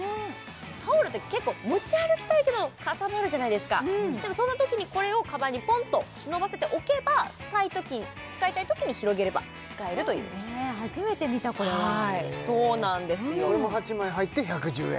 タオルって結構持ち歩きたいけどかさばるじゃないですかでもそんなときにこれをかばんにポンと忍ばせておけば使いたいときに広げれば使えるというすごいね初めて見たこれはへえこれも８枚入って１１０円